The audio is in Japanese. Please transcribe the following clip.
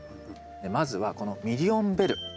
まずはこのミリオンベルですね。